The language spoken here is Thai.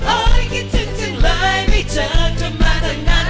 โอ้ยคิดถึงจึงเลยไม่เจอก็มาเท่านั้น